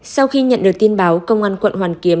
sau khi nhận được tin báo công an quận hoàn kiếm